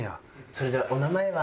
それではお名前は？